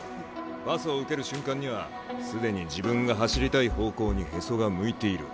パスを受ける瞬間には既に自分が走りたい方向にへそが向いている。